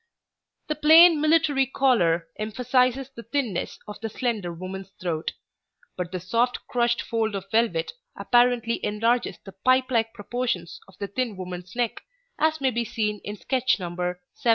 70] The plain, military collar emphasizes the thinness of the slender woman's throat; but the soft crushed fold of velvet apparently enlarges the pipe like proportions of the thin woman's neck, as may be seen in sketch No. 70.